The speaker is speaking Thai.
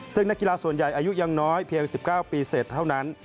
ซึ่งนักกีฬาส่วนใหญ่อายุยังน้อยเพียง๑๙ปีเสร็จเท่านั้น